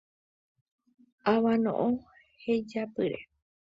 Avano'õ hejapyre.